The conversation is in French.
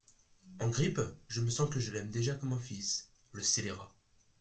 En grippe ? je sens que je l’aime déjà comme un fils !… le scélérat !…